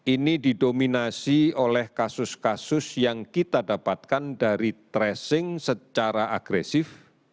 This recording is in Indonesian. ini didominasi oleh kasus kasus yang kita dapatkan dari tracing secara agresif